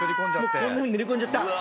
もうこんなふうに塗り込んじゃった。